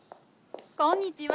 こんにちは！